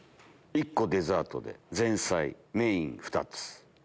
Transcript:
１個デザートで前菜メイン２つ。